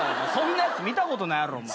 そんなやつ見たことないやろ。